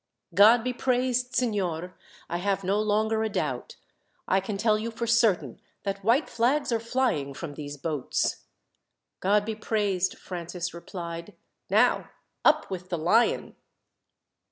"God be praised, signor! I have no longer a doubt. I can tell you, for certain, that white flags are flying from these boats." "God be praised!" Francis replied. "Now, up with the Lion!"